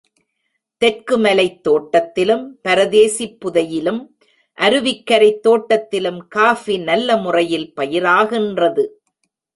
தெற்கு மலைத் தோட்டத்திலும், பரதேசிப் புதையிலும், அருவிக்கரைத் தோட்டத்திலும், காஃபி நல்லமுறையில் பயிராகின்றது.